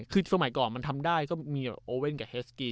คือสมัยก่อนมันทำได้ก็มีโอเว่นกับเฮสกี